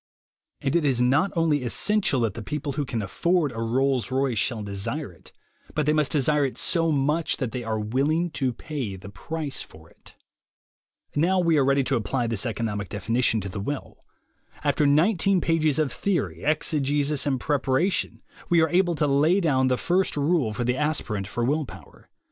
And it is not only essential that the people who can afford a Rolls Rovce shall THE WAY TO WILL POWER 19 desire it, but they must desire it so much that they are willing to pay the price for it. Now we are ready to apply this economic defini tion to the will. After nineteen pages of theory, exegesis and preparation, we are able to lay down the first rule for the aspirant for will power.